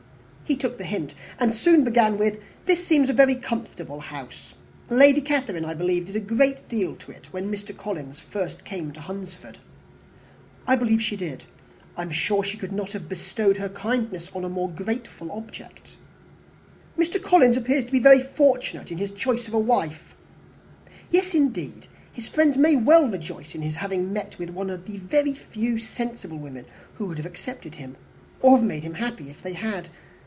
He took the hint and soon began with, "This seems a very comfortable house. Lady Catherine, I believe, did a great deal to it when Mr. Collins first came to Hunsford." "I believe she did and I am sure she could not have bestowed her kindness on a more grateful object." "Mr. Collins appears very fortunate in his choice of a wife." "Yes, indeed; his friends may well rejoice in his having met with one of the very few sensible women who would have accepted him, or have made him happy if they had.